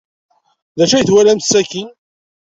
D acu ay twalamt sakkin?